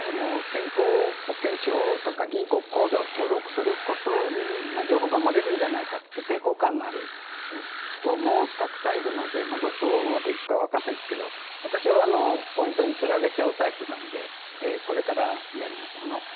健康保険証とか銀行口座を登録することに情報が漏れるんじゃないかということで抵抗感のある人もたくさんいるので、どこまでいくか分からないですけど、私はポイントにつられちゃうタイプなのでこれからやります。